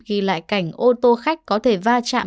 ghi lại cảnh ô tô khách có thể va chạm